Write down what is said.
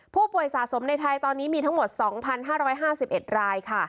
ผู้ป่วยสะสมในไทยตอนนี้มีทั้งหมด๒๕๕๑ราย